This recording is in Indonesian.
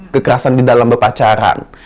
kekerasan di dalam berpacaran